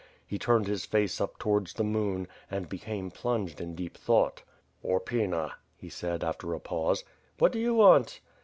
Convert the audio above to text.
He turned his face up towards the moon, and became plunged in deep thought. "Horpyna," he said, after a pause. "What do you want?''